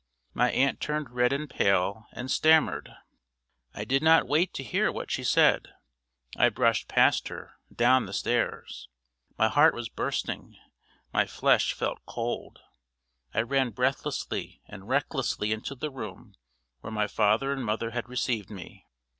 My aunt turned red and pale, and stammered. I did not wait to hear what she said. I brushed past her, down the stairs. My heart was bursting my flesh felt cold. I ran breathlessly and recklessly into the room where my father and mother had received me.